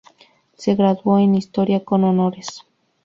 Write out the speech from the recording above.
Se graduó en historia con honores.